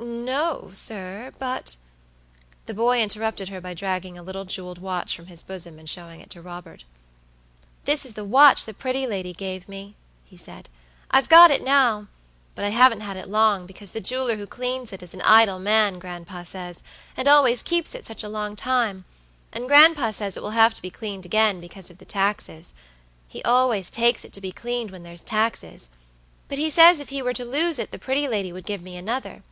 "No, sir, but" The boy interrupted her by dragging a little jeweled watch from his bosom and showing it to Robert. "This is the watch the pretty lady gave me," he said. "I've got it nowbut I haven't had it long, because the jeweler who cleans it is an idle man, gran'pa says, and always keeps it such a long time; and gran'pa says it will have to be cleaned again, because of the taxes. He always takes it to be cleaned when there's taxesbut he says if he were to lose it the pretty lady would give me another.